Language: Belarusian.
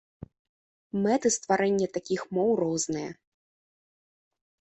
Мэты стварэння такіх моў розныя.